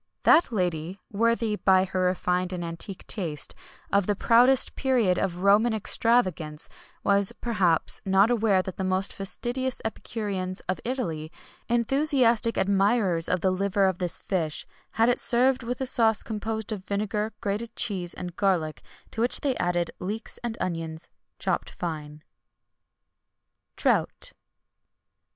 [XXI 141] That lady, worthy, by her refined and antique taste, of the proudest period of Roman extravagance, was, perhaps, not aware that the most fastidious epicureans of Italy, enthusiastic admirers of the liver of this fish,[XXI 142] had it served with a sauce composed of vinegar, grated cheese, and garlic; to which they added leeks and onions, chopped fine.[XXI 143] TROUT.